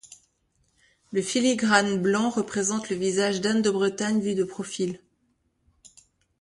Le filigrane blanc représente le visage d'Anne de Bretagne vu de profil.